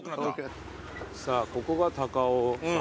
さあここが高尾山。